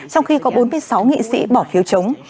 trong khi có bốn mươi sáu nghị sĩ bỏ phiếu chống